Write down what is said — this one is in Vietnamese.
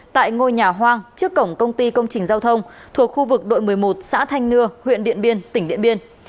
tại ngôi nhà hoang trước cổng công ty công trình giao thông thuộc khu vực đội một mươi một xã thanh nưa huyện điện biên tỉnh điện biên